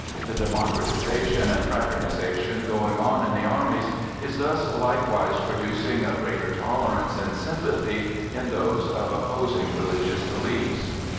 The democ ratization and fraternization going on in the armies, is thus likewise producing a greater tolerance and i sympathy in those of opposing religious beliefs.